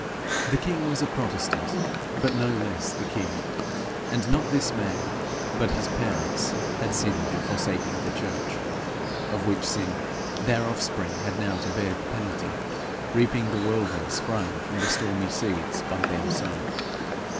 The king was a protestant, but no less the king; and not this man, but his parents, had sinned in forsaking the church of which sin their offspring had now to bear the penalty, reaping the whirlwind sprung from the stormy seeds by them sown.